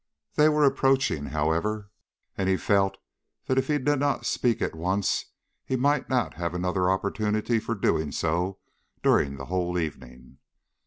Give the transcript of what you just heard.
They were approaching, however, and he felt that if he did not speak at once he might not have another opportunity for doing so during the whole evening.